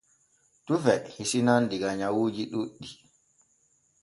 Tufe hisinan diga nyawuuji ɗuuɗɗi.